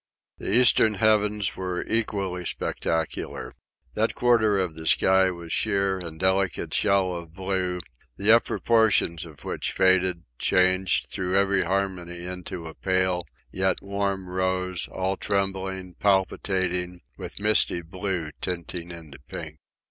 The eastern heavens were equally spectacular. That quarter of the sky was sheer and delicate shell of blue, the upper portions of which faded, changed, through every harmony, into a pale, yet warm, rose, all trembling, palpitating, with misty blue tinting into pink.